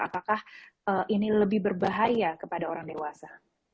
apakah ini lebih berbahaya kepada orang dewasa